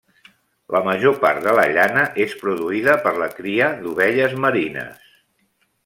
La major part de la llana és produïda per la cria d'ovelles merines.